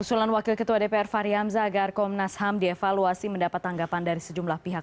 usulan wakil ketua dpr fahri hamzah agar komnas ham dievaluasi mendapat tanggapan dari sejumlah pihak